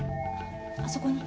あそこに。